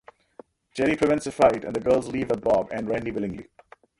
Cherry prevents a fight and the girls leave with Bob and Randy willingly.